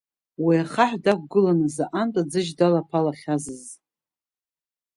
Уи ахаҳә дықәгыланы заҟантә аӡыжь далаԥалахьазыз.